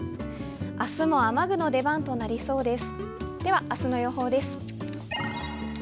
明日も雨具の出番となりそうです。